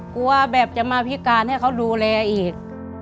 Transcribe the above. แบบจะมาพิการให้เขาดูแลอีก